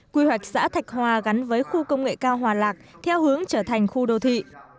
quy hoạch xã thạch hòa gắn với khu công nghệ cao hòa lạc theo hướng trở thành khu đô thị